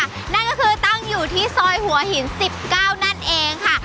นั่นก็คือตั้งอยู่ที่ซอยหัวหิน๑๙นั่นเองค่ะ